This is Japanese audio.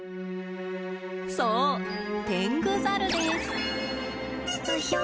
そうテングザルです！